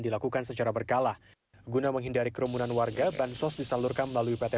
dilakukan secara berkala guna menghindari kerumunan warga bansos disalurkan melalui pt